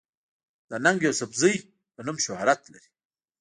د “ ننګ يوسفزۍ” پۀ نوم شهرت لري